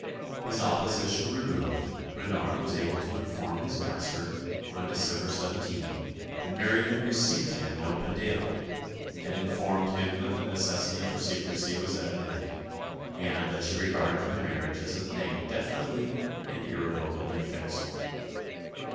His opposition removed, Renard was able to inform his master, on December 17, that Mary had received him in open daylight, had informed him that the necessity for secrecy was at an end, and that she regarded her marriage as a thing definitely and irrevocably fixed.